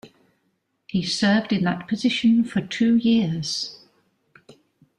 He served in that position for two years.